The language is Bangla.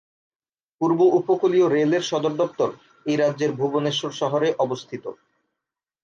পূর্ব উপকূলীয় রেল-এর সদর দপ্তর এই রাজ্যের ভুবনেশ্বর শহরে অবস্থিত।